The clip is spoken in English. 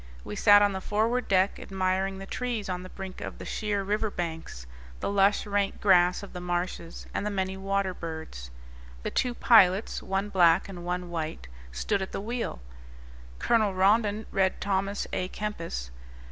We sat on the forward deck, admiring the trees on the brink of the sheer river banks, the lush, rank grass of the marshes, and the many water birds. The two pilots, one black and one white, stood at the wheel. Colonel Rondon read Thomas a Kempis.